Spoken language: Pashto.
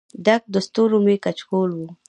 ډک د ستورو مې کچکول و